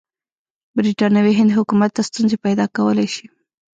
برټانوي هند حکومت ته ستونزې پیدا کولای شي.